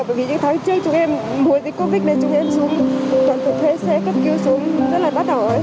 bởi vì những tháng trước chúng em mùa dịch covid này chúng em xuống toàn thuộc thuê xe cấp cứu xuống rất là bắt đầu